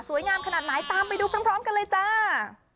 งามขนาดไหนตามไปดูพร้อมกันเลยจ้า